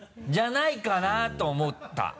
じゃないかなと思った。